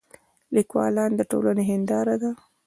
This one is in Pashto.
لیکوالان د ټولنې هنداره ده.